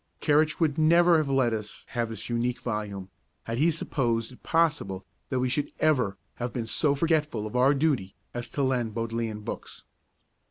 Kerrich would never have let us have this unique volume, had he supposed it possible that we should ever have been so forgetful of our duty as to lend Bodleian books.